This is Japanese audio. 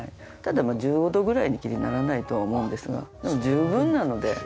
ただまあ１５度ぐらいにきりならないとは思うんですがでも十分なので。